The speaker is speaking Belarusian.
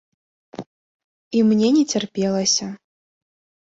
І мне не цярпелася.